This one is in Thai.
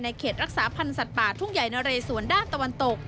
เขตรักษาพันธ์สัตว์ป่าทุ่งใหญ่นะเรสวนด้านตะวันตก